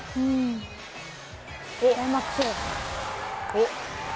おっ？